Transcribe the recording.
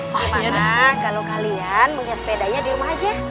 gimana kalau kalian punya sepedanya di rumah aja